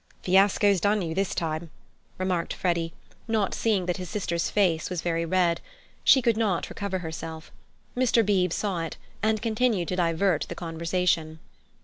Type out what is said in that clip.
"Fiasco's done you this time," remarked Freddy, not seeing that his sister's face was very red. She could not recover herself. Mr. Beebe saw it, and continued to divert the conversation.